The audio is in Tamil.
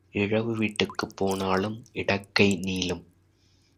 இழவு வீட்டுக்குப் போனாலும் இடக்கை நீளும்.